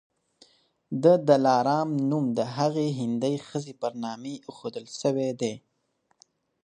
د دلارام نوم د هغي هندۍ ښځي پر نامي ایښودل سوی دی.